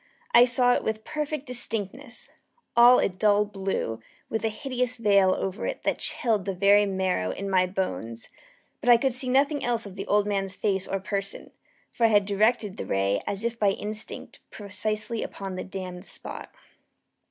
I saw it with perfect distinctness all a dull blue, with a hideous veil over it that chilled the very marrow in my bones; but I could see nothing else of the old man's face or person: for I had directed the ray as if by instinct, precisely upon the damned spot.